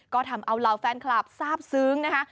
ก็ทำเอาเหล่าแฟนคลับทราบซึ้งนะคะ